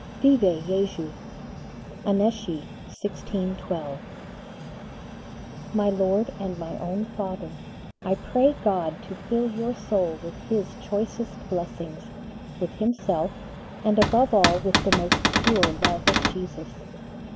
_ Vive [+] Jésus! ANNECY, 1612. My Lord and my own Father, I pray God to fill your soul with His choicest blessings, with Himself, and above all with the most pure love of Jesus.